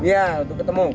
iya untuk ketemu